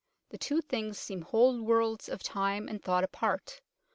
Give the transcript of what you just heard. the two things seem whole worlds of time and thought apart.